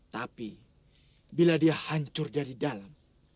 tapi bila dia hancur dari dalam